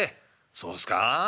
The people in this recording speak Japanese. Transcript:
「そうすか？